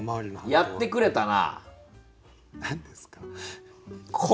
やってくれたな。